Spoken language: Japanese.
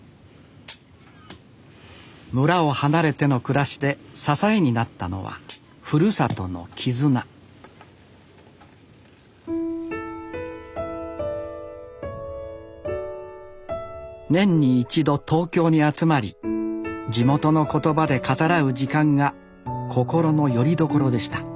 村を離れての暮らしで支えになったのはふるさとの絆年に一度東京に集まり地元の言葉で語らう時間が心のよりどころでした